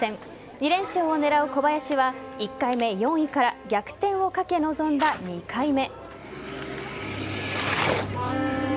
２連勝を狙う小林は１回目、４位から逆転を懸け臨んだ２回目。